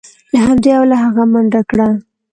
له همدې امله هغه منډه کړه.